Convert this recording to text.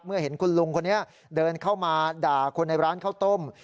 เห็นคุณลุงคนนี้เดินเข้ามาด่าคนในร้านข้าวต้ม